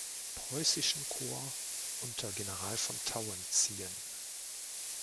Preußischen Korps unter General von Tauentzien.